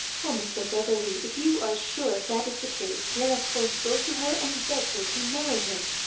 Oh, Mr. Beverley, if you are sure that is the case, let us both go to her, and beg her to marry him.